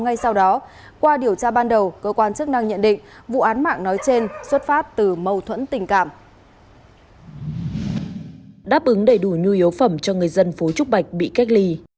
ngay sau đó qua điều tra ban đầu cơ quan chức năng nhận định vụ án mạng nói trên xuất phát từ mâu thuẫn tình cảm